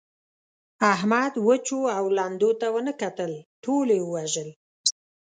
احمد وچو او لندو ته و نه کتل؛ ټول يې ووژل.